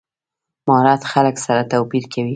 مهارت خلک سره توپیر کوي.